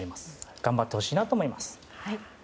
頑張ってほしいなと思います。